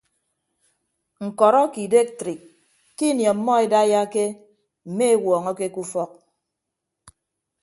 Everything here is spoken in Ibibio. Ñkọrọ ake idektrik ke ini ọmmọ edaiyake mme ewuọñọke ke ufọk.